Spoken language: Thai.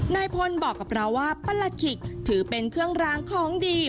นายพลบอกกับเราว่าประหลัดขิกถือเป็นเครื่องรางของดี